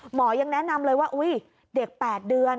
หมอยังแนะนำเลยว่าอุ๊ยเด็ก๘เดือน